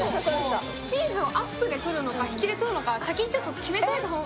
チーズをアップで撮るのか、引きで取るのか、先に決めておいた方が。